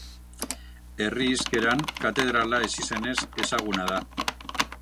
Herri hizkeran Katedrala ezizenez ezaguna da.